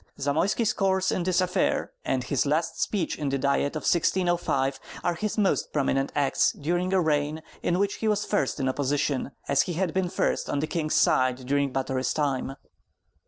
Zamoyski's course in this affair, and his last speech in the Diet of 1605 are his most prominent acts during a reign in which he was first in opposition, as he had been first on the king's side during Batory's time.